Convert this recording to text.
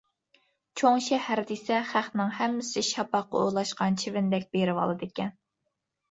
چوڭ شەھەر دېسە خەقنىڭ ھەممىسى شاپاققا ئولاشقان چىۋىندەك بېرىۋالىدىكەن.